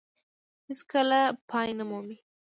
هېڅ کله پای نه مومي.